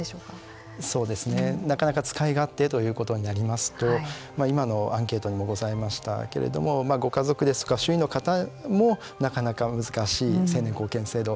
そうですねなかなか使い勝手ということになりますと今のアンケートにもございますけれどもご家族とか周囲の方もなかなか難しい成年後見制度。